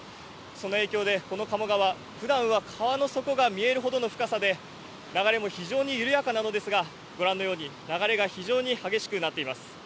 その影響で、この鴨川、ふだんは川の底が見えるほどの深さで、流れも非常に緩やかなのですが、ご覧のように流れが非常に激しくなっています。